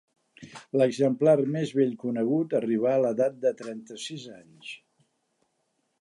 L'exemplar més vell conegut arribà a l'edat de trenta-sis anys.